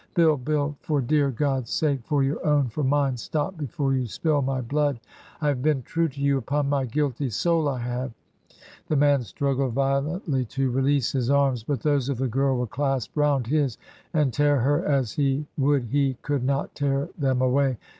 Bill, BiU, for dear God's sake, for your own, for mine, stop before you spill my blood I I have been true to you, upon my guilty soul I have I ' The man struggled violently to release his arms ; but those of the girl were clasped round his, and tear her as he would he could not tear them away.